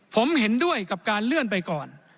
ผมเห็นด้วยกับการเลื่อนไปก่อน